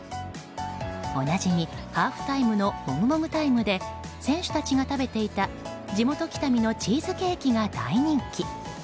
おなじみハーフタイムのもぐもぐタイムで選手たちが食べていた地元・北見のチーズケーキが大人気。